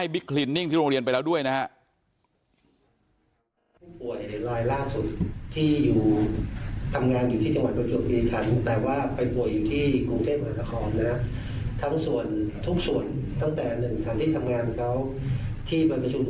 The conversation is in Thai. บิ๊กคลินนิ่งที่โรงเรียนไปแล้วด้วยนะครับ